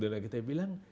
nah kita bilang